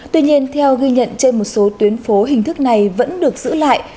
tuy nhiên theo ghi nhận trên một số tuyến phố hình thức này vẫn được giữ lại